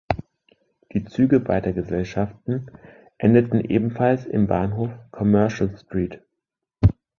Die Züge beider Gesellschaften endeten ebenfalls im Bahnhof Commercial Street.